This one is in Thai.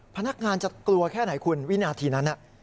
พนักงานจะกลัวแค่ไหนคุณวินาทีนั้น